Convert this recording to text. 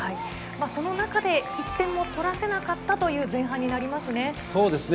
その中で１点も取らせなかったという前半になりますね。